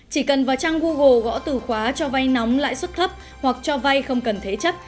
chỉ cần vào trang google gõ từ khóa cho vay nóng lãi suất thấp hoặc cho vay không cần thế chấp